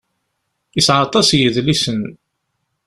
Yesεa aṭas n yedlisen.